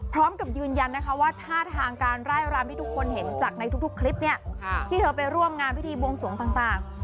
พร้อมกับยืนยันนะคะว่าท่าทางการไล่รำที่ทุกคนเห็นจากในทุกคลิปเนี่ยที่เธอไปร่วมงานพิธีบวงสวงต่าง